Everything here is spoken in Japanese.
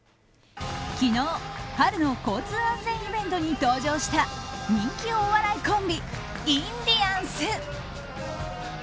昨日、春の交通安全イベントに登場した人気お笑いコンビインディアンス。